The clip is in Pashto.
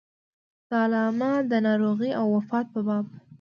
د علامه د ناروغۍ او وفات په باب.